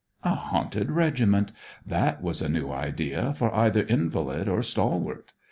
A haunted regiment: that was a new idea for either invalid or stalwart.